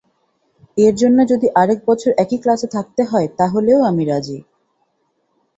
এরজন্য যদি আরেকবছর একই ক্লাসে থাকতে হয় তাহলেও আমি রাজি।